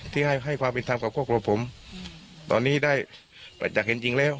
ที่ให้ให้ความผิดทำกับพวกเราผมอืมตอนนี้ได้แต่จากจริงจริงแล้ว